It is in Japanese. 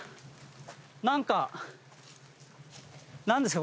何か何ですか？